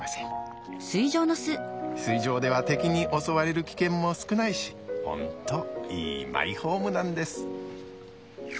水上では敵に襲われる危険も少ないしホントいいマイホームなんです。